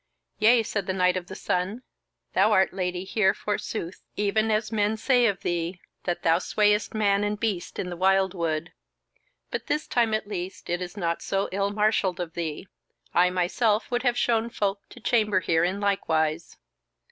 "Yea," said the Knight of the Sun, "thou art Lady here forsooth; even as men say of thee, that thou swayest man and beast in the wildwood. But this time at least it is not so ill marshalled of thee: I myself would have shown folk to chamber here in likewise."